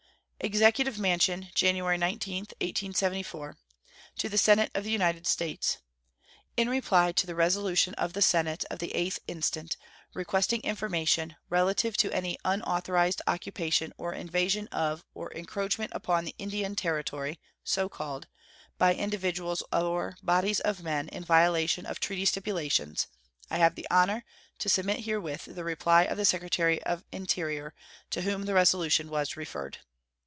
EXECUTIVE MANSION, January 19, 1874. To the Senate of the United States: In reply to the resolution of the Senate of the 8th instant, requesting information "relative to any unauthorized occupation or invasion of or encroachment upon the Indian Territory, so called, by individuals or bodies of men, in violation of treaty stipulations," I have the honor to submit herewith the reply of the Secretary of the Interior, to whom the resolution was referred.